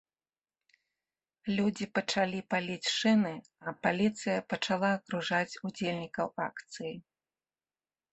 Людзі пачалі паліць шыны, а паліцыя пачала акружаць удзельнікаў акцыі.